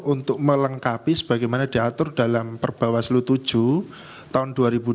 untuk melengkapi sebagaimana diatur dalam perbawaslu tujuh tahun dua ribu dua puluh